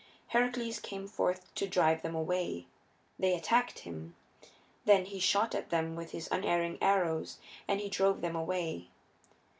Heracles came forth to drive them away. They attacked him. Then he shot at them with his unerring arrows and he drove them away.